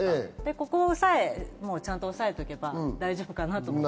ここさえちゃんと押さえておけば大丈夫かなと。